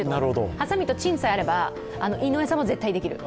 はさみとチンさえあれば井上さんも絶対できる。